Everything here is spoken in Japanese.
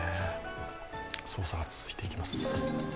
捜査が続いていきます。